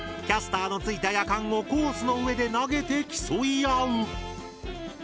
キャスターのついたヤカンをコースの上で投げて競い合う！